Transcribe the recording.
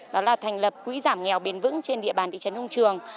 đó là thành lập quỹ giảm nghèo bền vững trên địa bàn thị trấn đông trường